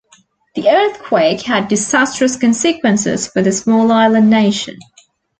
The earthquake had disastrous consequences for the small island nation.